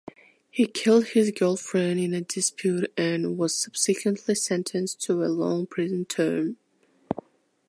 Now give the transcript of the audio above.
He killed his girlfriend in a dispute and was subsequently sentenced to a long prison term.